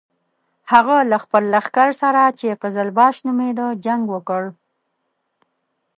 هغه له خپل لښکر سره چې قزلباش نومېده جنګ وکړ.